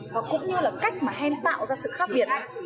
và cũng như là cách mà hen tạo ra sự khác biệt